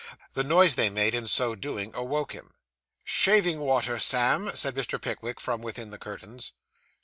The noise they made, in so doing, awoke him. 'Shaving water, Sam,' said Mr. Pickwick, from within the curtains.